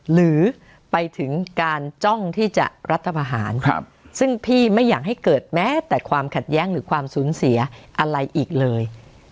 หรือไปถึงการจ้องที่จะรัฐพาหารซึ่งพี่ไม่อยากให้เกิดแม้แต่ความขัดแย้งหรือความสูญเสียอะไรอีกเลย